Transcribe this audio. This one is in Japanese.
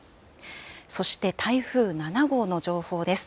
そして台風７号の情報です。